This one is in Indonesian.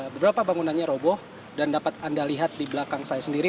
beberapa bangunannya roboh dan dapat anda lihat di belakang saya sendiri